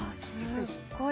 すっごい